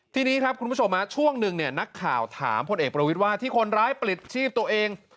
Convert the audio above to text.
ทีนี้ครับคุณผู้ชมช่วงหนึ่งเนี่ยนักข่าวถามพลเอกประวิทย์ว่าที่คนร้ายปลิดชีพตัวเอง